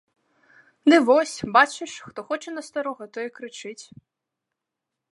Ды вось, бачыш, хто хоча на старога, той і крычыць.